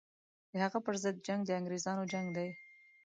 د هغه پر ضد جنګ د انګرېزانو جنګ دی.